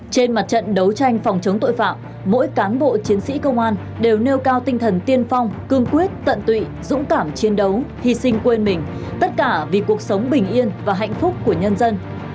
trên mặt trận đấu tranh phòng chống tội phạm mỗi cán bộ chiến sĩ công an đều nêu cao tinh thần tiên phong cương quyết tận tụy dũng cảm chiến đấu hy sinh quên mình tất cả vì cuộc sống bình yên và hạnh phúc của nhân dân